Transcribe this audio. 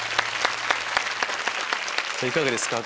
いかがですか？